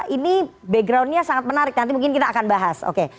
ini backgroundnya sangat menarik nanti mungkin kita akan bahas oke